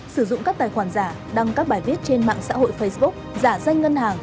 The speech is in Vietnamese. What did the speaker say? sử dụng các tài khoản giả đăng các bài viết trên mạng xã hội facebook giả danh ngân hàng